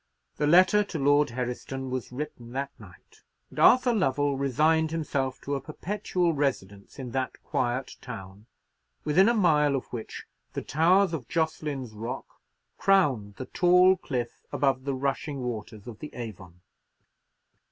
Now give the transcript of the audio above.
The letter to Lord Herriston was written that night; and Arthur Lovell resigned himself to a perpetual residence in that quiet town; within a mile of which the towers of Jocelyn's Rock crowned the tall cliff above the rushing waters of the Avon.